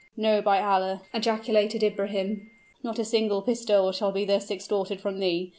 "No by Allah!" ejaculated Ibrahim; "not a single pistole shall be thus extorted from thee!